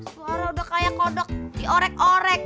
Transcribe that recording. suara udah kayak kodok diorek orek